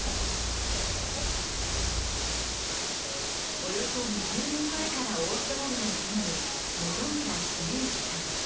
およそ２０年前からオーストラリアに住む本村繁幸さん。